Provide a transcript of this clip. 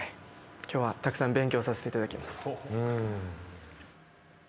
今日はたくさん勉強させていただきます。